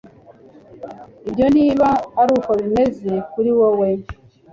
ibyo niba ariko bimeze kuri wowe